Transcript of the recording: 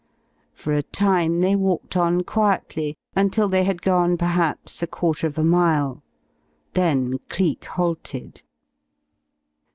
For a time they walked on quietly until they had gone perhaps a quarter of a mile. Then Cleek halted.